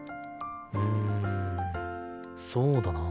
うんそうだな。